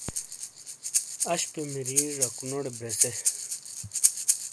اشپے مری جکونوٹے برژے